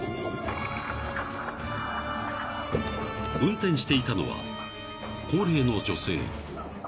［運転していたのは高齢の女性］